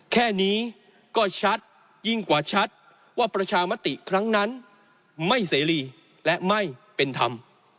แค่นี้ก็ชัดยิ่งกว่าชัดว่าประชามติครั้งนั้นไม่เสรีและไม่เป็นธรรม